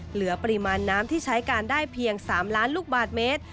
เหลือปริมาณน้ำที่ใช้การได้เพียง๓ล้านลูกบาทเมตร